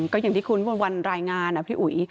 ก็อย่างที่คุณมนต์วันรายงานนะพี่อุ๋ย